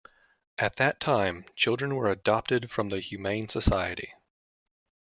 At that time, children were adopted from the Humane Society.